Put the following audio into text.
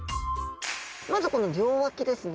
まずこの両脇ですね。